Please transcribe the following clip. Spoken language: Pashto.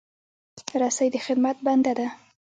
رسۍ د خدمت بنده ده.